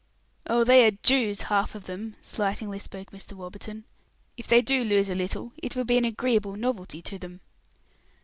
"Oh, they are Jews half of them," slightingly spoke Mr. Warburton. "If they do lose a little, it will be an agreeable novelty to them."